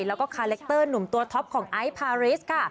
แล้วก็คาแรคเตอร์หนุ่มตัวท็อปของไอซ์พาริสค่ะ